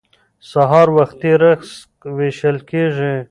سهار وختي رزق ویشل کیږي.